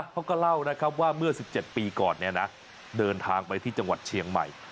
เขาก็เล่านะครับว่าเมื่อ๑๗ปีก่อนเดินทางไปที่จังหวัดเชียงใหม่